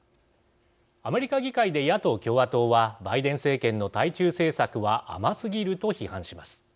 アメリカ議会で、野党・共和党はバイデン政権の対中政策は甘すぎると批判します。